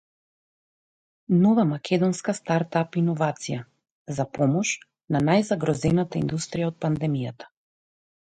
Нова македонска стартап иновација за помош на најзагрозената индустрија од пандемијата